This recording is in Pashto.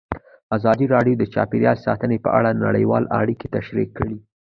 ازادي راډیو د چاپیریال ساتنه په اړه نړیوالې اړیکې تشریح کړي.